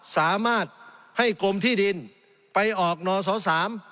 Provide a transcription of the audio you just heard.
สามารถให้กรมที่ดินไปออกนสสาม